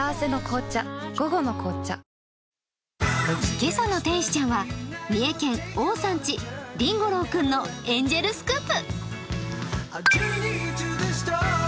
今朝の天使ちゃんは、三重県Ｏさん家、りんご郎君のエンジェルスクープ。